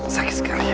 sakit sekali ya